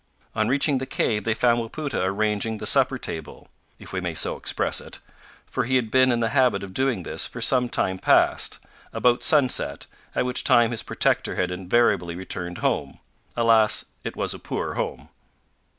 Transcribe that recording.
On reaching the cave they found Wapoota arranging the supper table if we may so express it for he had been in the habit of doing this for some time past, about sunset, at which time his protector had invariably returned home alas! it was a poor home!